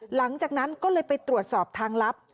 หลังจากนั้นก็เลยไปตรวจสอบทางลับ